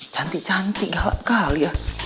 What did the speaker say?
cantik cantik galap kali ah